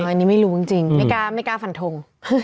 อันนี้ไม่รู้จริงไม่กล้าฟันทง